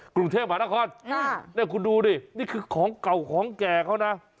กรุงเทพมหานครเนี่ยคุณดูดินี่คือของเก่าของแก่เขานะ